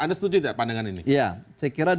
anda setuju tidak pandangan ini saya kira